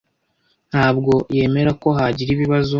Ntabwo yemera ko hagira ibibazo .